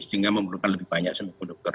sehingga memerlukan lebih banyak semi conductor